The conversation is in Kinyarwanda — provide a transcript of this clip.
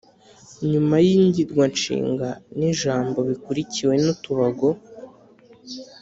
Nyuma y’ingirwanshinga n’ijambo bikurikiwe n’utubago